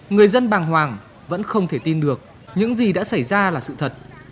người dân bàng hoàng vẫn không thể tin được những gì đã xảy ra là sự thật